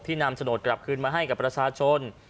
นำโฉนดกลับคืนมาให้กับประชาชน